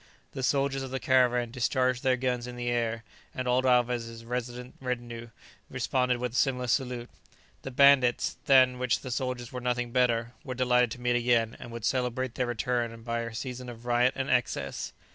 The soldiers of the caravan discharged their guns into the air, and old Alvez' resident retinue responded with a similar salute. The bandits, than which the soldiers were nothing better, were delighted to meet again, and would celebrate their return by a season of riot and excess.